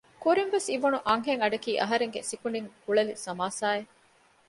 ކުރިން އިވުނު އަންހެން އަޑަކީ އަހަރެންގެ ސިކުނޑިން ކުޅެލި ސަމާސާއެއް